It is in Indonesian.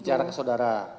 bicara ke saudara